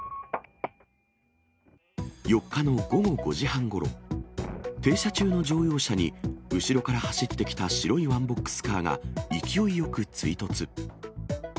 ４日の午後５時半ごろ、停車中の乗用車に、後ろから走ってきた白いワンボックスカーが勢いよく追突。